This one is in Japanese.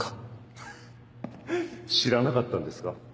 フフ知らなかったんですか？